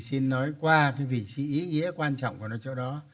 xin nói qua vị trí ý nghĩa quan trọng của chỗ đó